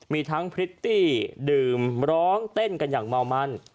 มีทั้งพริตตี้ดื่มร้องเต้นกันอย่างเมามัน